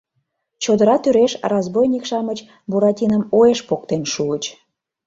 Чодыра тӱреш разбойник-шамыч Буратином уэш поктен шуыч.